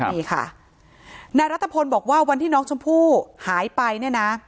นี่ค่ะนายรัฐพลบอกว่าวันที่น้องชมพู่หายไปเนี่ยนะ